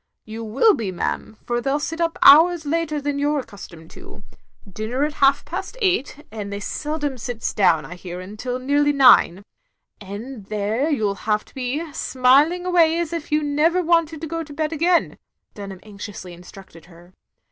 "You will be, ma'am, for they 11 sit up hours later than you 're accustomed to. Dinner at half past eight, and they seldom sits down, I 274 THE LONELY LADY hear, till nearly nine. And there you 'U have to be, smiling away as if you never wanted to go to bed again," Dunham anxioxisly instructed her.